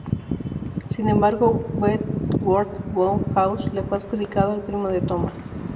Sin embargo Wentworth Woodhouse le fue adjudicado al primo de Thomas.